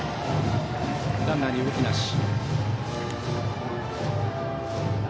ランナーに動きなし。